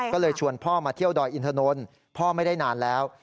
ก็เลยชวนพ่อมาเที่ยวดอยอินทนนท์พ่อไม่ได้นานแล้ว